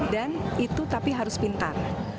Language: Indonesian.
dan itu tapi harus pintar